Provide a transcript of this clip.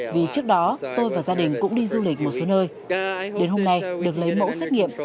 vì trước đó tôi và gia đình cũng đi du lịch một số nơi đến hôm nay được lấy mẫu xét nghiệm